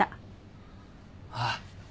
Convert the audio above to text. ああ。